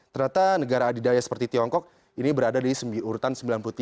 ternyata negara adidaya seperti tiongkok ini berada di urutan sembilan puluh tiga